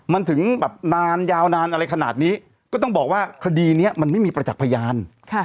มันถึงแบบนานยาวนานอะไรขนาดนี้ก็ต้องบอกว่าคดีนี้มันไม่มีประจักษ์พยาน